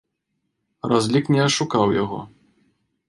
Разлік не ашукаў яго.